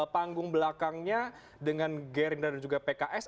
panggung belakangnya dengan gerindra dan juga pks